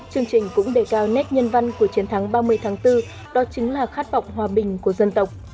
chương trình cũng đề cao nét nhân văn của chiến thắng ba mươi tháng bốn đó chính là khát vọng hòa bình của dân tộc